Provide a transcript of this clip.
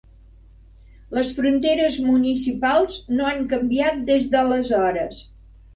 Les fronteres municipals no han canviat des d'aleshores.